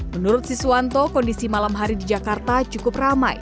menurut siswanto kondisi malam hari di jakarta cukup ramai